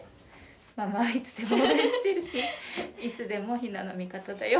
ママはいつでも応援してるしいつでもひなの味方だよ。